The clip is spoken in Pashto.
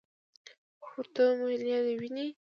ورته ومي ویل: یا نې وینې .